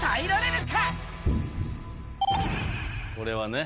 これはね。